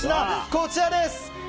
こちらです！